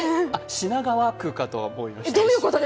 品川区かと思いました、私。